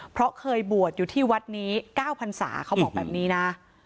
เพราะเคยบวชอยู่ที่วัดนี้๙พันศาเขาบอกแบบนี้นะ